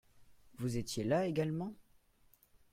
Vous étiez là également ?